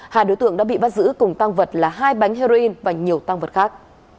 hai đối tượng đã bị bắt giữ cùng tăng vật là hai bánh heroin và nhiều tăng vật khác